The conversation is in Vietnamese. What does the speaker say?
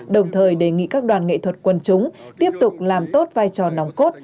đồng thời đề nghị các đoàn nghệ thuật quân chúng tiếp tục làm tốt vai trò nóng cốt